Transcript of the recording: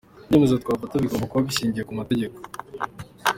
Ibyemezo twafata bigomba kuba bishingiye ku mategeko.